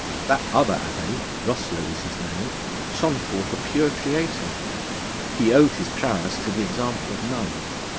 That other Abbé Rosslot was his name shone forth a pure creator: he owed his prowess to the example of none.